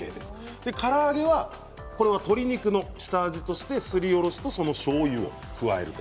から揚げは鶏肉の下味としてすりおろしと、しょうゆを加えています。